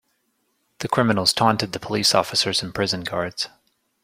The criminals taunted the police officers and prison guards.